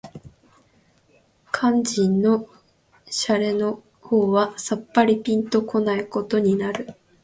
肝腎の洒落の方はさっぱりぴんと来ないことになる